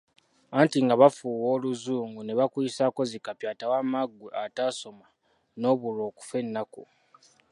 Anti nga bafuuwa olungereza, ne bakuyisaako zi kapyata wamma ggwe atasooma n’obulwa okufa ennaku.